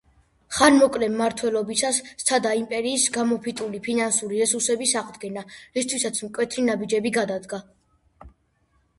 ხანმოკლე მმართველობისას სცადა იმპერიის გამოფიტული ფინანსური რესურსების აღდგენა, რისთვისაც მკვეთრი ნაბიჯები გადადგა.